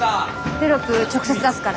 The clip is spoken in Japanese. テロップ直接出すから。